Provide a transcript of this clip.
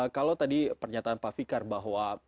kalau tadi pernyataan pak fikar bahwa